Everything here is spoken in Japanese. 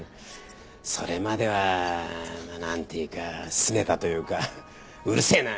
それまではまあ何ていうかすねたというか「うるせえな！